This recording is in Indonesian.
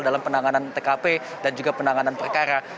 dalam penanganan tkp dan juga penanganan perkara